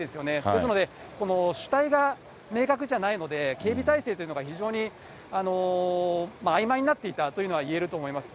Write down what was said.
ですので主体が明確じゃないので、警備体制というのが非常にあいまいになっていたというのは言えると思います。